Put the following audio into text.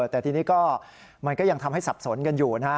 แต่ทีนี้ก็มันก็ยังทำให้สับสนกันอยู่นะฮะ